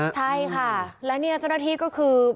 ใช่ค่ะแล้วเนี่ยเจ้าหน้าที่ก็คือ